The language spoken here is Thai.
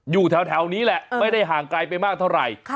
อยู่แถวนี้แหละไม่ได้ห่างไกลไปมากเท่าไหร่